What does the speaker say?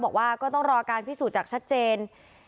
บอกว่าก็ต้องรอการพิสูจน์จากชัดเจน